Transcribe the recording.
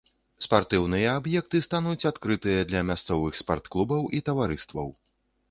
Спартыўныя аб'екты стануць адкрытыя для мясцовых спартклубаў і таварыстваў.